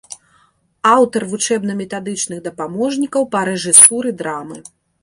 Аўтар вучэбна-метадычных дапаможнікаў па рэжысуры драмы.